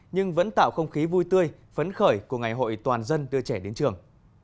nhưng vẫn tạo không khí vui tươi phấn khởi của ngày hội toàn dân đưa trẻ đến trường